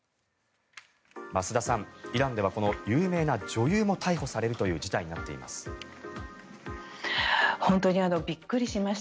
増田さん、イランではこの有名な女優も逮捕されるという事態になっています。